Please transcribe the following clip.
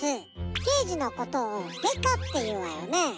「けいじ」のことを「デカ」っていうわよね。